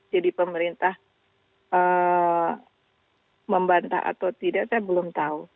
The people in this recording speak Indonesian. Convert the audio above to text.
jadi pemerintah membantah atau tidak saya belum tahu